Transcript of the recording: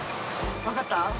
分かった？